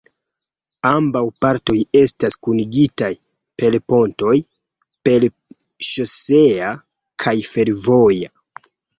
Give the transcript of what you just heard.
Ambaŭ partoj estas kunigitaj per pontoj: per ŝosea kaj fervoja.